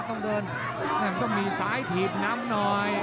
ต้องมีซ้ายถีบน้ำน้อย